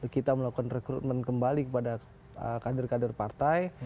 kita melakukan rekrutmen kembali kepada kader kader partai